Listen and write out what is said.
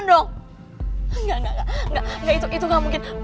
enggak enggak enggak enggak enggak itu gak mungkin